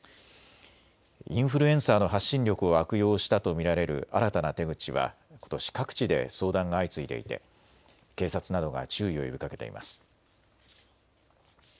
インフルエンサーの発信力を悪用したと見られる新たな手口はことし各地で相談が相次いでいて警察などが注意を呼びかけています。